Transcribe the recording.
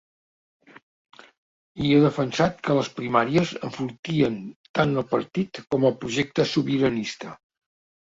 I ha defensat que les primàries enfortien tant el partit com el projecte sobiranista.